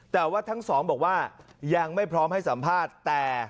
แต่ว่าทั้งสองบอกว่ายังไม่พร้อมให้สัมภาษณ์แต่